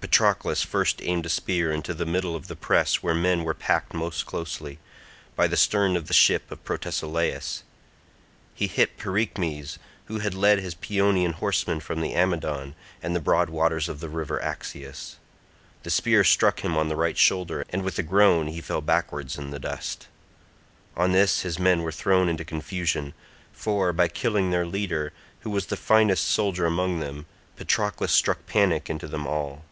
Patroclus first aimed a spear into the middle of the press where men were packed most closely, by the stern of the ship of Protesilaus. He hit Pyraechmes who had led his Paeonian horsemen from the Amydon and the broad waters of the river Axius; the spear struck him on the right shoulder, and with a groan he fell backwards in the dust; on this his men were thrown into confusion, for by killing their leader, who was the finest soldier among them, Patroclus struck panic into them all.